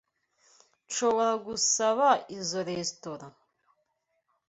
Nshobora gusaba izoi resitora.